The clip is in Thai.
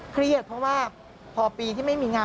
เครียดเพราะว่าพอปีที่ไม่มีงาน